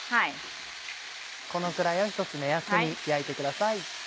このくらいをひとつ目安に焼いてください。